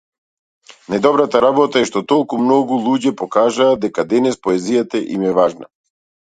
Најдобрата работа е што толку многу луѓе покажа дека денес поезијата им е важна.